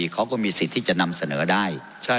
เขาก็มีสิทธิ์ที่จะนำเสนอได้